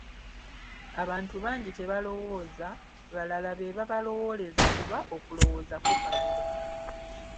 Abantu bangi tebalowooza, balala be babalowooleza, kuba okulowooza kukaluba.